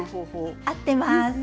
合っています。